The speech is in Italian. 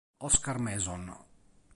Oscar Mason